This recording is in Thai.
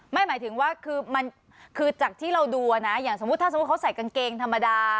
หมายถึงว่าคือมันคือจากที่เราดูนะอย่างสมมุติถ้าสมมุติเขาใส่กางเกงธรรมดา